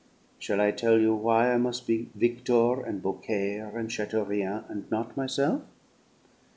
"Shall I tell you why I mus' be 'Victor' and 'Beaucaire' and 'Chateaurien,' and not myself?"